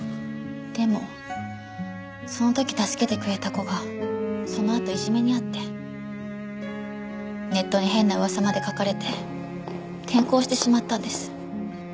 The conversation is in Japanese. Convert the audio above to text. でもその時助けてくれた子がそのあといじめに遭ってネットに変な噂まで書かれて転校してしまったんです。